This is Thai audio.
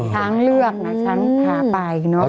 ช้างเลือกนะช้างพาไปเนอะ